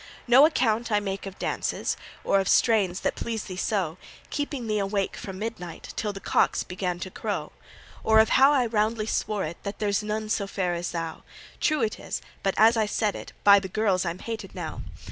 No account I make of dances, Or of strains that pleased thee so, Keeping thee awake from midnight Till the cocks began to crow; Or of how I roundly swore it That there's none so fair as thou; True it is, but as I said it, By the girls I'm hated now.